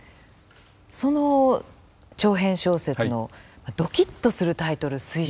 その長編小説のどきっとするタイトル「水死」。